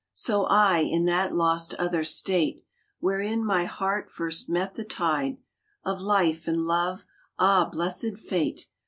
So I in that lost other state Wherein my heart first met the tide Of Life and Love ah, blessed fate